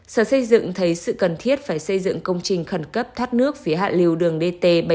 sở xây dựng thấy sự cần thiết phải xây dựng công trình khẩn cấp thoát nước phía hạ liều đường dt bảy trăm linh sáu b